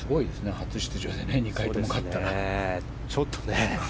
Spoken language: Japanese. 初出場で２回とも勝ったらね。